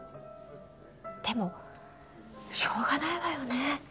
でもしょうがないわよね。